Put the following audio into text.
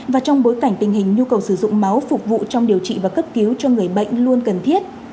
và trong bối cảnh tình hình nhu cầu sử dụng máu phục vụ trong điều trị và cấp cứu cho người bệnh luôn cần thiết